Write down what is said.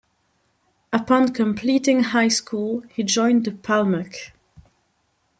Upon completing high school, he joined the Palmach.